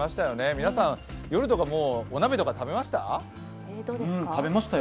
皆さん、夜とかもう、お鍋とか食べました？